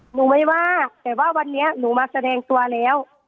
หนูไม่ว่าแต่ว่าวันนี้หนูมาแสดงตัวแล้ว